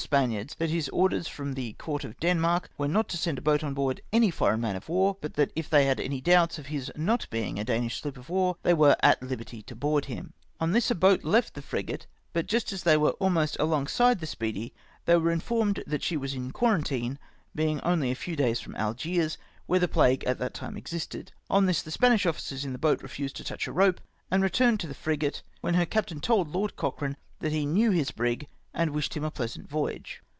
Spaniards that his orders from the court of Denmark were nijt to send a boat on board any foreign man of war, but that if they had any doubts of his not being a Danish sloop of war, they were at liberty tt> lioard him. SECOND LETTER FROM SIR ALEXANDER. 137 "On this a boat left the frigate, but just as they were almost alongside the Speedy, they were informed that she was in quarantine, being only a few days from Algiers, where the plague at that time existed. On this the Spanish officers in the boat refused to touch a rope, and returned to the frigate, when her captain told Lord Cochrane that he knew his brig, and wished him a pleasant voyage.